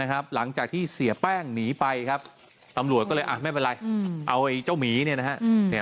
หลังจากที่เสียแป้งหนีไปครับตำรวจก็เลยไม่เป็นไรเอาเจ้าหมีเนี่ยนะฮะ